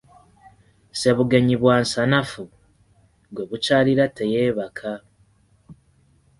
Ssebugenyi bwa nsanafu, gwe bukyalira teyeebaka.